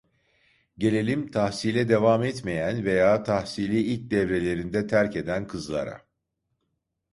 Gelelim tahsile devam etmeyen veya tahsili ilk devrelerinde terk eden kızlara...